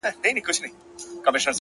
• گوره په ما باندي ده څومره خپه ـ